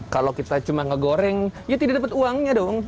kalau kita cuma ngegoreng ya tidak dapat uangnya dong